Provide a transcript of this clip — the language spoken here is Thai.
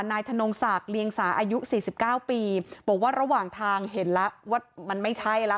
นายธนงศักดิ์เรียงสาอายุสี่สิบเก้าปีบอกว่าระหว่างทางเห็นแล้วว่ามันไม่ใช่แล้ว